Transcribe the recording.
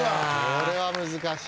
これは難しい。